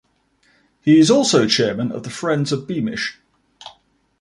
He is also chairman of the Friends of Beamish.